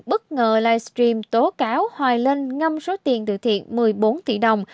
bất ngờ livestream tố cáo hoài linh ngâm số tiền từ thiện một mươi bốn tỷ đồng